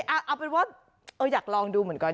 อ่าอาต้นว่าอยากลองดูเหมือนก่อน